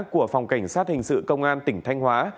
của phòng cảnh sát hình sự công an tỉnh thanh hóa